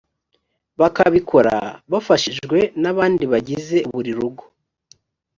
bakabikora bafashijwe n abandi bagize buri rugo